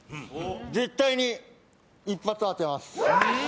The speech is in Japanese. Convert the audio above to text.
絶対に一発当てます。